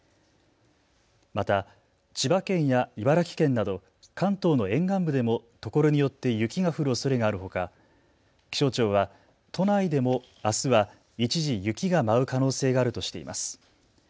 また、千葉県や茨城県など関東の沿岸部でもところによって雪が降るおそれがあるほか気象庁は都内でもあすは一時雪が舞う可能性があるとしています。